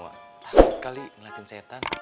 takut kali ngeliatin setan